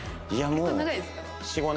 ４５年？